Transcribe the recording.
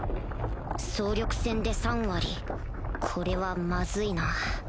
総力戦で３割これはまずいな